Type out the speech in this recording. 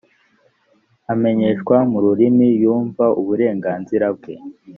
amenyeshwa mu rurimi yumva uburenganzira bwe